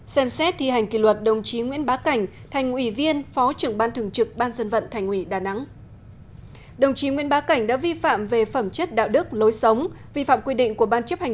bốn xem xét thi hành kỷ luật đồng chí nguyễn bá cảnh